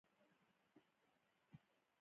او بیا یې په ټینګه د مخنیوي لپاره زیار وباسو.